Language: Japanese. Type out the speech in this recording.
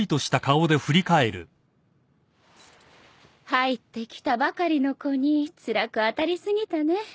入ってきたばかりの子につらく当たりすぎたね。